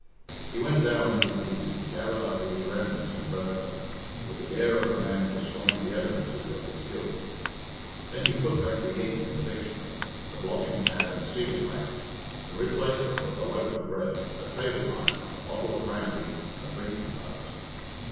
He went down on his knees and gathered up these remnants and burnt them, with the air of a man destroying the evidences of his guilt. Then he put back the ink and the dictionary, the blotting pad and sealing wax, and replaced them with a loaf of bread, a table knife, a bottle of brandy, and a drinking glass.